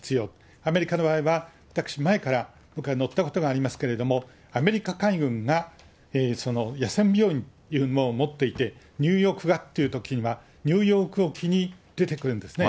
アメリカの場合は私、前から、乗ったことがありますけど、アメリカ海軍が野戦病院というのを持っていて、ニューヨークがというときは、ニューヨーク沖に出てくるんですね。